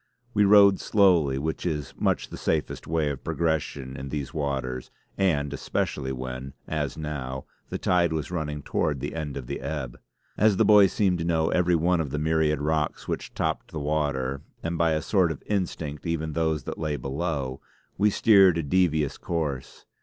We rowed slowly which is much the safest way of progression in these waters, and especially when, as now, the tide was running towards the end of the ebb. As the boy seemed to know every one of the myriad rocks which topped the water, and by a sort of instinct even those that lay below, we steered a devious course.